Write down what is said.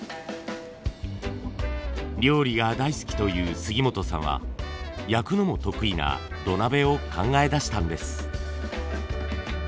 料理が大好きという杉本さんは焼くのも得意な土鍋を考え出したんです。